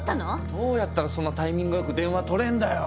どうやったらそんなタイミングよく電話取れんだよ。